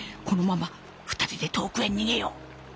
このまま２人で遠くへ逃げよう。